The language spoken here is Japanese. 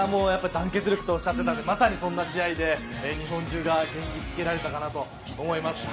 団結力とおっしゃっていた、まさにそんな試合で日本中が元気づけられたかなと思います。